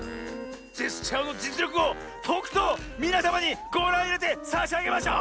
ジェスチャーのじつりょくをとくとみなさまにごらんいれてさしあげましょう！